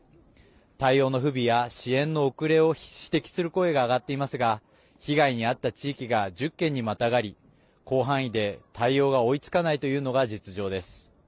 対応の不備や支援の遅れを指摘する声が上がっていますが被害に遭った地域が１０県にまたがり広範囲で、対応が追いつかないというのが実情です。